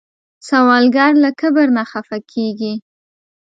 سوالګر له کبر نه خفه کېږي